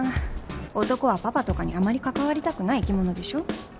男はパパとかにあまり関わりたくない生き物でしょ？